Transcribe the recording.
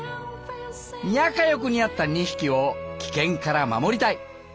「仲よくにゃった２匹を危険から守りたい」。